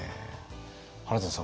原田さん